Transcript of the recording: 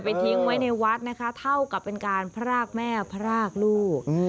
ทิ้งไว้ในวัดนะคะเท่ากับเป็นการพรากแม่พรากลูก